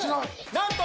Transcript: なんと！